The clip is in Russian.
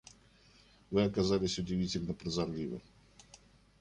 Вы оказались удивительно прозорливы.